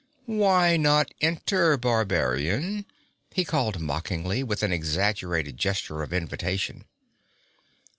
'Why not enter, barbarian?' he called mockingly, with an exaggerated gesture of invitation.